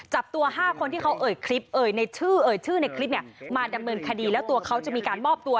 จับตัว๕คนที่เขาเอ่ยชื่อในคลิปมาดำเนินคดีแล้วตัวเขาจะมีการมอบตัว